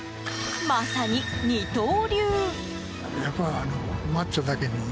まさに二刀流。